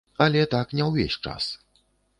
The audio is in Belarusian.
Але так не ўвесь час.